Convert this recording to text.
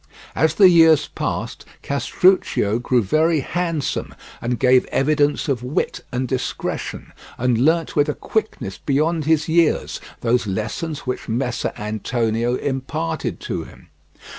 As the years passed Castruccio grew very handsome, and gave evidence of wit and discretion, and learnt with a quickness beyond his years those lessons which Messer Antonio imparted to him.